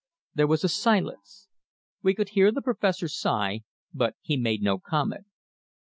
There was a silence. We could hear the Professor sigh, but he made no comment.